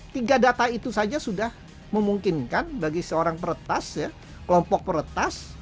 tiga data itu saja sudah memungkinkan bagi seorang peretas kelompok peretas